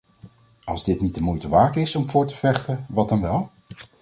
Als dit niet de moeite waard is om voor te vechten, wat dan wel?